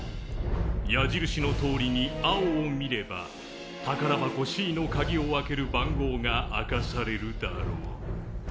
矢印のとおりに青を見れば宝箱Ｃの鍵を開ける番号が明かされるだろう。